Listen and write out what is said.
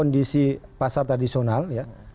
di si pasar tradisional ya